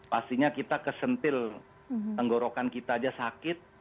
pastinya kita kesentil tenggorokan kita aja sakit